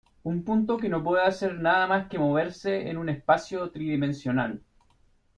Un punto no puede hacer nada más que moverse en un espacio tridimensional.